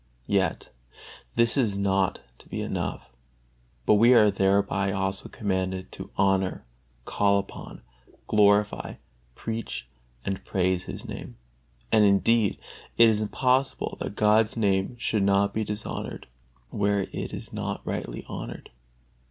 Yet this is not to be enough, but we are thereby also commanded to honor, call upon, glorify, preach and praise His Name. And indeed it is impossible that God's Name should not be dishonored where it is not rightly honored.